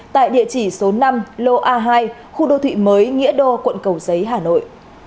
tại địa chỉ số năm lô a hai khu đô thị mới nghĩa đô quận cầu giấy hà nội